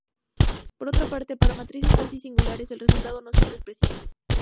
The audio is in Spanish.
Por otra parte, para matrices casi singulares el resultado no siempre es preciso.